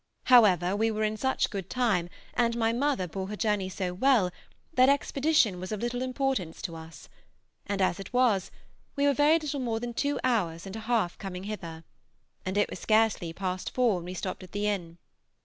However, we were in such good time and my mother bore her journey so well, that expedition was of little importance to us; and as it was, we were very little more than two hours and a half coming hither, and it was scarcely past four when we stopped at the inn.